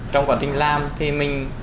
trong quá trình làm thì mình